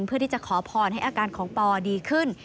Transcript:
เพื่อที่จะขอพรให้อาการของปอดีขึ้น